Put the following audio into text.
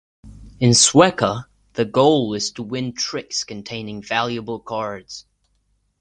In Sueca, the goal is to win tricks containing valuable cards.